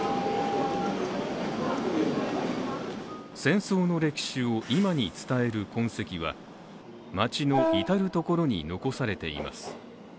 戦争の歴史を今に伝える痕跡は町の至る所に残されています。